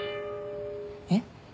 えっ？